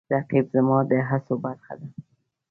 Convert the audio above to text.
رقیب زما د هڅو برخه ده